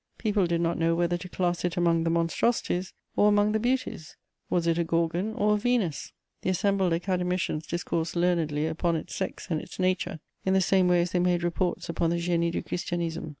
People did not know whether to class it among the "monstrosities" or among the "beauties:" was it a Gorgon or a Venus? The assembled academicians discoursed learnedly upon its sex and its nature, in the same way as they made reports upon the _Génie du Christianisme.